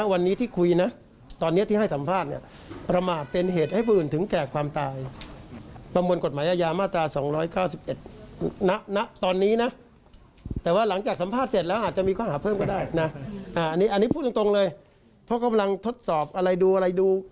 อันนี้พูดตรงเลยเพราะกำลังทดสอบอะไรดูอะไรดู